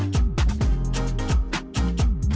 สวัสดีครับ